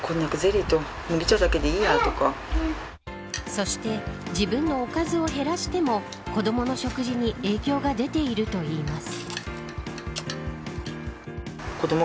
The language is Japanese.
そして自分のおかずを減らしても子どもの食事に影響が出ているといいます。